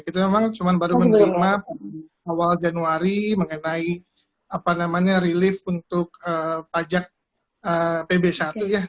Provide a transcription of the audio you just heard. kita memang cuma baru menerima awal januari mengenai relief untuk pajak pb satu ya